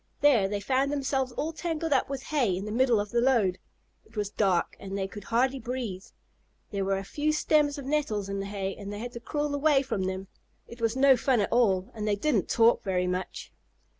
There they found themselves all tangled up with hay in the middle of the load. It was dark and they could hardly breathe. There were a few stems of nettles in the hay, and they had to crawl away from them. It was no fun at all, and they didn't talk very much.